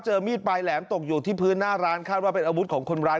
มีดปลายแหลมตกอยู่ที่พื้นหน้าร้านคาดว่าเป็นอาวุธของคนร้าย